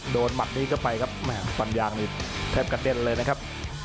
โดนหมัดนี้ก็ไปครับแบบสัญญาณนี้แทบกันเด้นเลยนะครับ